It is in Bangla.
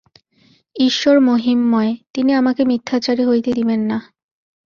ঈশ্বর মহিমময়, তিনি আমাকে মিথ্যাচারী হইতে দিবেন না।